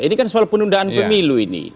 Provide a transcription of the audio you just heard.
ini kan soal penundaan pemilu ini